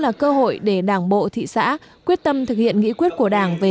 là cơ hội để đảng bộ thị xã quyết tâm thực hiện nghị quyết của đảng về